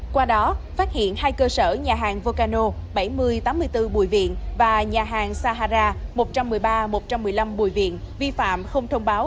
qua đó phát hiện hai cơ sở nhà hàng volcano bảy nghìn tám mươi bốn bùi viện và nhà hàng sahara một trăm một mươi ba một trăm một mươi năm bùi viện vi phạm không thông báo